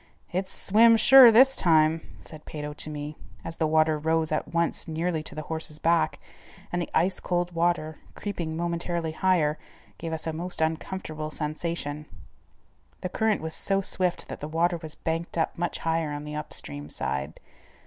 "It's swim sure this time," said Peyto to me, as the water rose at once nearly to the horse's back, and the ice cold water, creeping momentarily higher, gave us a most uncomfortable sensation. The current was so swift that the water was banked up much higher on the upstream side.